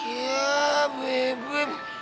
iya beb beb